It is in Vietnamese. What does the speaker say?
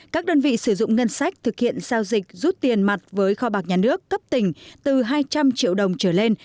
các đơn vị sử dụng ngân sách thực hiện giao dịch rút tiền mặt với kho bạc nhà nước cấp tỉnh từ hai trăm linh triệu đồng trở lên